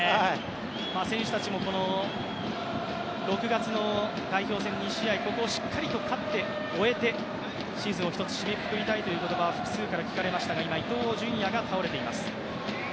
選手たちも６月の代表戦２試合、ここをしっかりと勝って終えて、シーズンを１つ締めくくりたいという言葉が複数から聞かれましたが、今、伊東純也が倒れています。